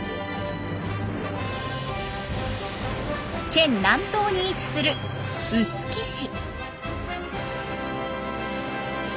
県南東に位置する臼杵市。